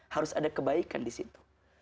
harus ada kebaikan disitu